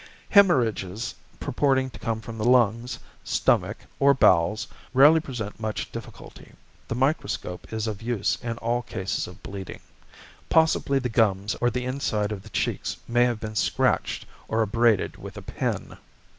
=Hæmorrhages= purporting to come from the lungs, stomach, or bowels, rarely present much difficulty. The microscope is of use in all cases of bleeding. Possibly the gums or the inside of the cheeks may have been scratched or abraded with a pin.